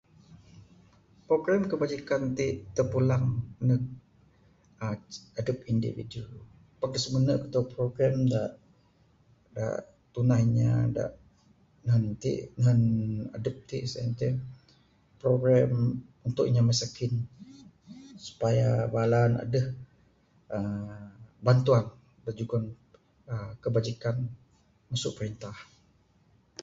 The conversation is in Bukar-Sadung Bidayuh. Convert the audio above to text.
Program kebajikan tik terpulang ndug uhh indi' individu. Semenu program da, da tundah inya da nehun tik, nehun adup tik sien ceh program untuk inya mesekin. Supaya bala ne aduh uhh bantuan da jugon uhh kebajikan masu perintah.